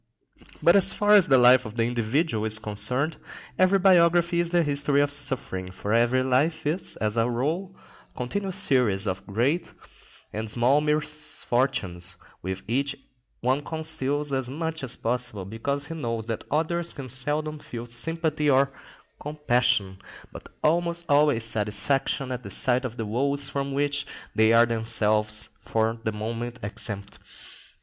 But as far as the life of the individual is concerned, every biography is the history of suffering, for every life is, as a rule, a continual series of great and small misfortunes, which each one conceals as much as possible, because he knows that others can seldom feel sympathy or compassion, but almost always satisfaction at the sight of the woes from which they are themselves for the moment exempt.